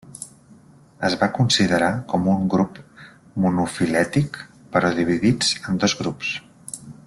Es va considerar com un grup monofilètic però dividits en dos grups.